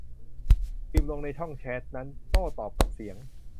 พิมพ์ลงในช่องแชตนั้น โต้ตอบกับเสียง